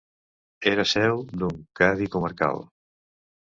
Era seu d'un cadi comarcal.